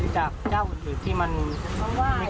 จากเจ้าอื่นที่มันไม่ค่อยเหมือนใคร